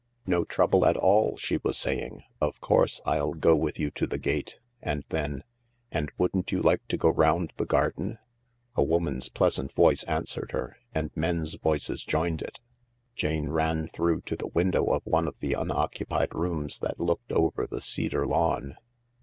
"No trouble at all/' she was saying; "of course I'll go with you to the gate." And then, " And wouldn't you like to go round the garden ?" A woman's pleasant voice answered her, and men's THE LARK 217 voices joined it. Jane ran through to the window of one of the unoccupied rooms that looked over the cedar lawn.